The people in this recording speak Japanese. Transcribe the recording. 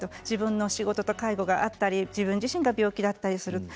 自分の仕事と介護があったり自分自身が病気だったりする。